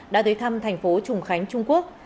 đến thành phố trùng khánh trung quốc